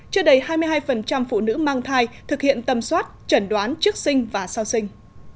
chưa đầy hai mươi hai phụ nữ mang thai thực hiện tâm soát chẩn đoán trước sinh và sau sinh